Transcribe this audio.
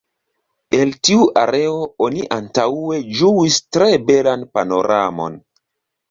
El tiu areo oni antaŭe ĝuis tre belan panoramon.